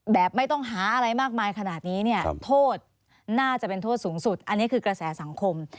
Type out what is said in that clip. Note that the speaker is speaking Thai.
แบบไม่ต้องหาอะไรมากมายขนาดนี้เนี่ยโทษน่าจะเป็นโทษสูงสุดอันนี้คือกระแสสังคม